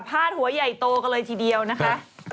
หัวใหญ่โตกันเลยทีเดียวนะคะ